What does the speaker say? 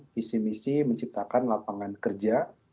visi misi menciptakan lapangan kerja